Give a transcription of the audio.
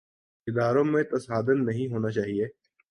اداروں میں تصادم نہیں ہونا چاہیے۔